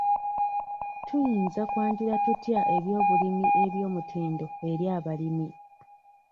Tuyinza kwanjula tutya eby'obulimi eby'omutindo eri abalimi?